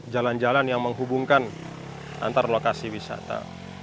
jalan jalan yang menghubungkan antar lokasi wisata